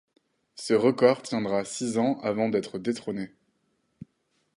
Ce record tiendra six ans avant d'être détrôné.